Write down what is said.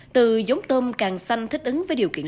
từ giống tôm càng xanh thích ứng với điều kiện